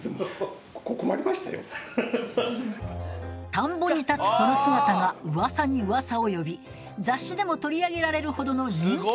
田んぼに立つその姿がうわさにうわさを呼び雑誌でも取り上げられるほどの人気スポットに。